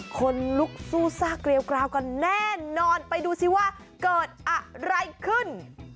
คนลุกสู้ซากเกลียวกราวกันแน่นอนไปดูซิว่าเกิดอะไรขึ้น